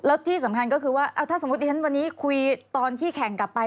แล้วที่สำคัญก็คือว่าถ้าสมมุติวันนี้คุยตอนที่แข่งกลับไป